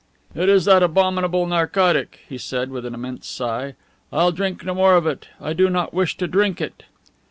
"It is that abominable narcotic," he said with an immense sigh. "I'll drink no more of it. I do not wish to drink it."